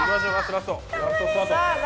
ラストスパート。